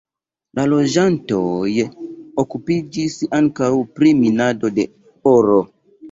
La loĝantoj okupiĝis ankaŭ pri minado de oro.